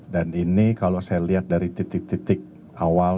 dan ini kalau saya lihat dari titik titik awal